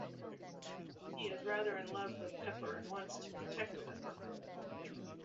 He is rather in love with Pepper and wants to protect Pepper.